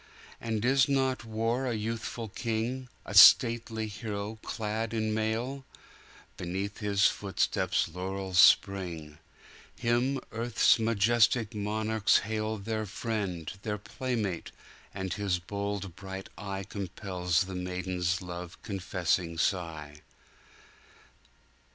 And is not war a youthful king,A stately hero clad in mail? Beneath his footsteps laurels spring; Him earth's majestic monarchs hailTheir friend, their playmate! and his bold bright eyeCompels the maiden's love confessing sigh.